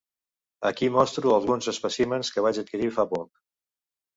Aquí mostro alguns espècimens que vaig adquirir fa poc.